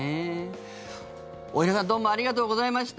大平さんどうもありがとうございました。